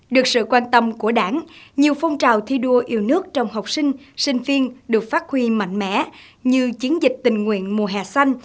được sự quan tâm của đảng nhiều phong trào thi đua yêu nước trong học sinh sinh viên được phát huy mạnh mẽ như chiến dịch tình nguyện mùa hè xanh